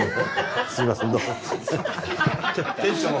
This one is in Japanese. すみません。